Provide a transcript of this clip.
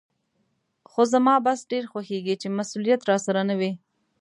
خو زما بس ډېر خوښېږي چې مسولیت راسره نه وي.